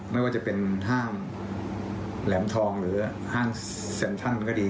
ไม่ว่าจะเป็นห้างแหลมทองหรือห้างเซ็นทรัลก็ดี